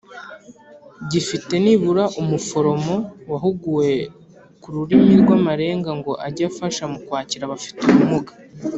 Gifite nibura umuforomo wahuguwe ku rurimi rw amarenga ngo ajye afasha mu kwakira abafite ubumuga